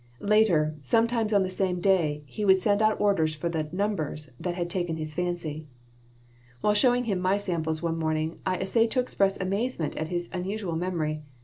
Later, sometimes on the same day, he would send out orders for the "numbers" that had taken his fancy While showing him my samples one morning I essayed to express amazement at his unusual memory.